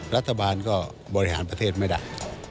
รัฐบาลก็บริหารประเทศไม่ได้